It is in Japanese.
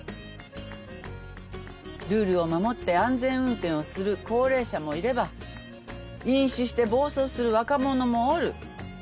ルールを守って安全運転をする高齢者もいれば飲酒して暴走する若者もおる。